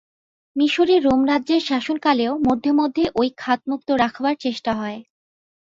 মিসরে রোমরাজ্যের শাসনকালেও মধ্যে মধ্যে ঐ খাত মুক্ত রাখবার চেষ্টা হয়।